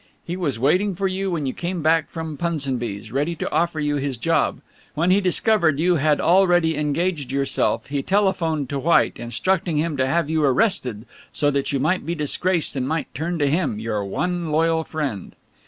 He was waiting for you when you came back from Punsonby's, ready to offer you his job. When he discovered you had already engaged yourself he telephoned to White, instructing him to have you arrested so that you might be disgraced and might turn to him, your one loyal friend."